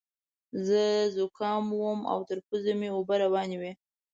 زه ذکام وم او تر پوزې مې اوبه روانې وې.